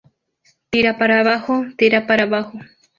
¡ tira para abajo! ¡ tira para abajo!